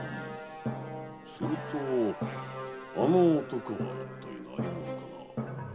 するとあの男は一体何者かな。